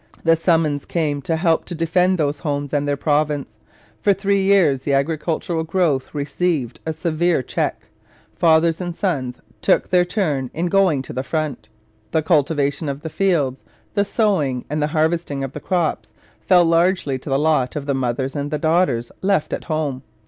The summons came to help to defend those homes and their province. For three years the agricultural growth received a severe check. Fathers and sons took their turn in going to the front. The cultivation of the fields, the sowing and the harvesting of the crops, fell largely to the lot of the mothers and the daughters left at home.